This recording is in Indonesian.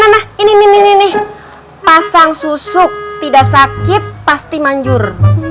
nah nah nah nah nah ini nih pasang susuk tidak sakit pasti manjur